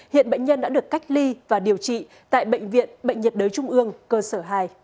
hiện bệnh nhân đã được cách ly và điều trị tại bệnh viện bệnh nhiệt đới trung ương cơ sở hai